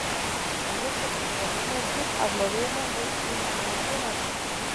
Al respecto Herbert Marcuse habló de "El hombre unidimensional".